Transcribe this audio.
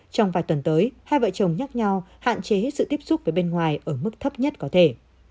trong vài tuần tới hai vợ chồng nhắc nhau hạn chế sự tiếp xúc với bên ngoài ở mức thấp nhất có thể